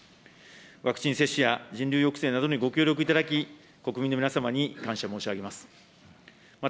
ワクチン接種や人流抑制などにご協力いただき、国民の皆様に感謝申し上げます。